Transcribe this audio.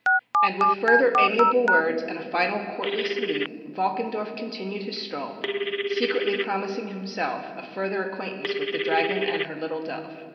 And with further amiable words and a final courtly salute, Valkendorf continued his stroll, secretly promising himself a further acquaintance with the dragon and her "little dove."